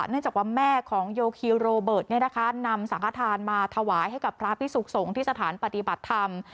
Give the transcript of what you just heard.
เนื่องจากว่าแม่ของโยคิวโรเบิร์ตนำสังฆฐานมาถวายให้กับพระพิสุขสงฆ์ที่สถานปฏิบัติธรรม